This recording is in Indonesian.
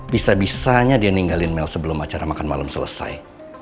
bisa bisanya dia ninggalin mel sebelum acara makan malam selesai